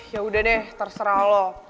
ya udah deh terserah loh